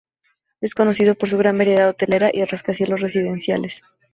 Es conocido por su gran variedad hotelera y rascacielos residenciales.